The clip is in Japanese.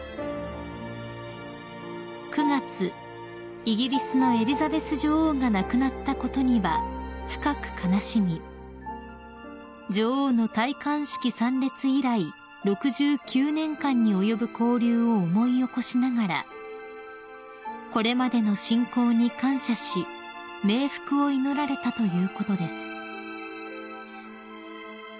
［９月イギリスのエリザベス女王が亡くなったことには深く悲しみ女王の戴冠式参列以来６９年間に及ぶ交流を思い起こしながらこれまでの親交に感謝し冥福を祈られたということです］